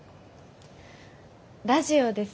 ラジオです。